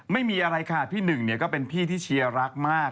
ไม่มีอะไรค่ะพี่หนึ่งเนี่ยก็เป็นพี่ที่เชียร์รักมาก